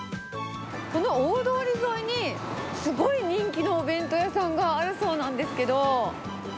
この大通り沿いにすごい人気のお弁当屋さんがあるそうなんですけど。